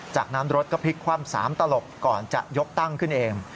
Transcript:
จากนั้นรถก็พลิกคว่ำ๓ตลบก่อนจะยกตั้งขึ้นเอง